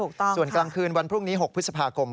ส่วนกลางคืนวันพรุ่งนี้๖พฤษภาคม